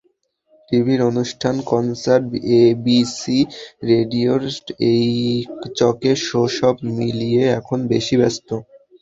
টিভির অনুষ্ঠান, concert, ABC রেডিওর এইচকে শো—সব মিলিয়ে এখন বেশি ব্যস্ত।